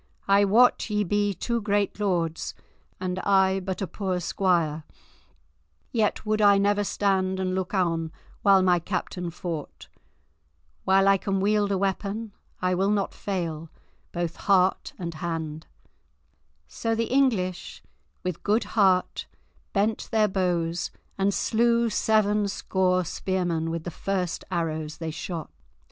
I wot ye be two great lords, and I but a poor squire, yet would I never stand and look on while my captain fought. While I can wield a weapon, I will not fail, both heart and hand." So the English with good heart bent their bows, and slew seven score spearmen with the first arrows they shot.